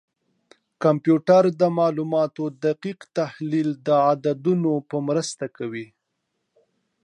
کمپیوټر د معلوماتو دقیق تحلیل د عددونو په مرسته کوي.